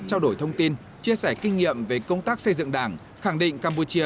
trao đổi thông tin chia sẻ kinh nghiệm về công tác xây dựng đảng khẳng định campuchia